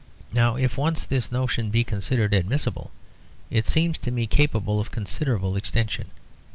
Now if once this notion be considered admissible, it seems to me capable of considerable extension.